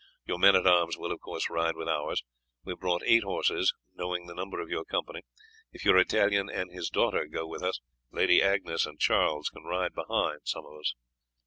Your men at arms will, of course, ride with ours. We have brought eight horses, knowing the number of your company; if your Italian and his daughter go with us Lady Agnes and Charles can ride behind some of us."